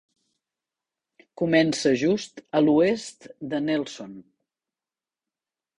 Comença just a l'oest de Nelson.